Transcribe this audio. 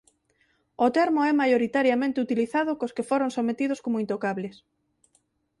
O termo é maioritariamente utilizado cos que foron sometidos como intocables.